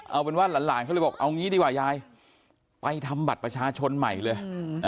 เอาเป็นว่าหลานเขาเลยบอกเอางี้ดีกว่ายายไปทำบัตรประชาชนใหม่เลย